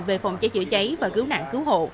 về phòng cháy chữa cháy và cứu nạn cứu hộ